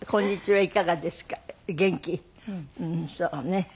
はい。